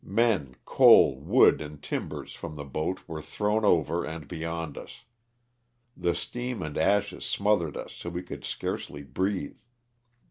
Men, coal, wood and timbers from the boat were thrown over and beyond us. The steam and ashes smothered us so we could scarcely breathe.